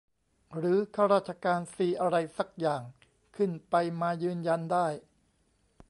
หรือข้าราชการซีอะไรซักอย่างขึ้นไปมายืนยันได้